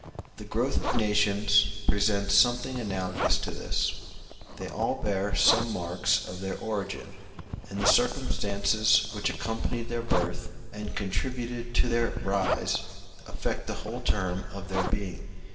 The growth of nations presents something analogous to this: they all bear some marks of their origin; and the circumstances which accompanied their birth and contributed to their rise affect the whole term of their being.